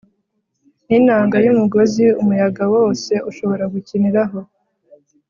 ninanga yumugozi umuyaga wose ushobora gukiniraho